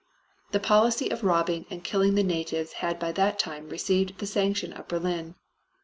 The policy of robbing and killing the natives had by that time received the sanction of Berlin.